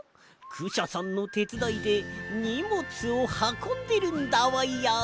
クシャさんのてつだいでにもつをはこんでるんだわや。